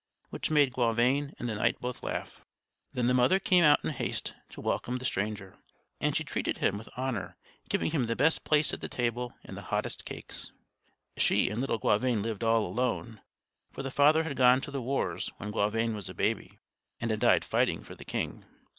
which made Gauvain and the knight both laugh. Then the mother came out in haste to welcome the stranger; and she treated him with honor, giving him the best place at the table and the hottest cakes. She and little Gauvain lived all alone, for the father had gone to the wars when Gauvain was a baby, and had died fighting for the king.